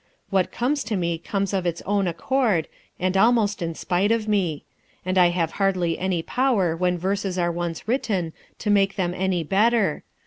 What comes to me comes of its own accord, and almost in spite of me; and I have hardly any power when verses are once written to make them any better....